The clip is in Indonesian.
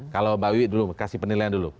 kalau mbak wiwi dulu kasih penilaian dulu